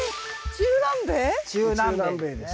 中南米です